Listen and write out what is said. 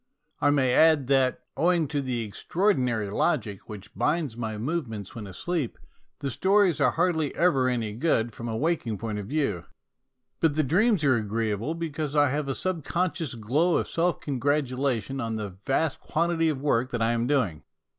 I may 38 MONOLOGUES add that, owing to the extraordinary logic which binds my movements when asleep, the stories are hardly ever any good from a waking point of view, but the dreams are agreeable because I have a subconscious glow of self congratulation on the vast quantity of work that I am doing.